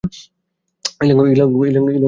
ইলাঙ্গো, কোথায় তুই?